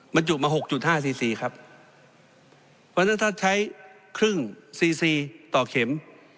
บรรจุมาหกจุดห้าซีซีครับเพราะฉะนั้นถ้าใช้ครึ่งซีซีต่อเข็ม